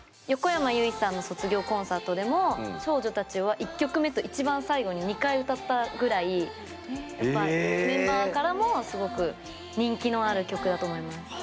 横山由依さんの卒業コンサートでも「少女たちよ」は１曲目と一番最後に２回歌ったぐらいやっぱメンバーからもすごく人気のある曲だと思います。